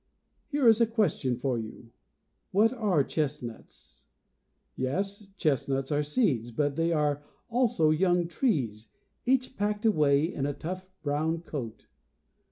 Here is a question for you. What are chestnuts? Yes, chestnuts are seeds, but they are also young trees, each packed away in a tough brown coat.